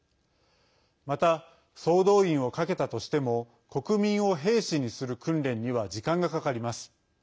また、総動員をかけたとしても国民を兵士にする訓練には時間がかかります。